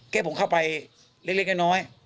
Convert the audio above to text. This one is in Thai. แค่ผมเข้าไปเล็กน้อย